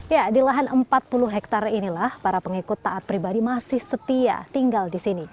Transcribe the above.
ya di lahan empat puluh hektare inilah para pengikut taat pribadi masih setia tinggal di sini